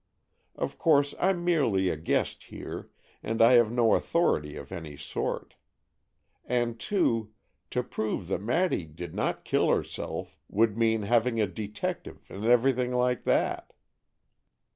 Of course I'm merely a guest here, and I have no authority of any sort. And, too, to prove that Maddy did not kill herself would mean having a detective and everything like that."